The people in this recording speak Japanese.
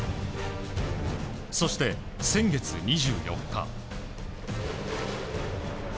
そして、先月２４日。